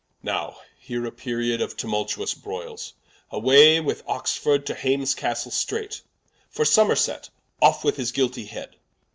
Now here a period of tumultuous Broyles. Away with Oxford, to Hames Castle straight: For Somerset, off with his guiltie Head.